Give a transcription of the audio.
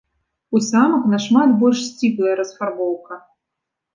У самак нашмат больш сціплая расфарбоўка.